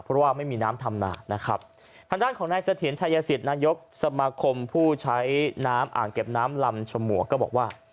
เพราะว่าไม่มีน้ำทำนานะครับทางด้านของนายเสถียรชายสิทธิ์นายกสมาคมผู้ใช้น้ำอ่างเก็บน้ำลำฉมวกก็บอกว่า